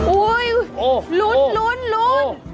อุ๊ยลุ้น